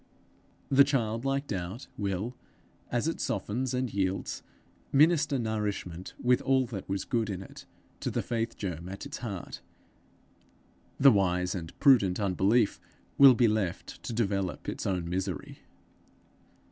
The childlike doubt will, as it softens and yields, minister nourishment with all that was good in it to the faith germ at its heart; the wise and prudent unbelief will be left to develop its own misery.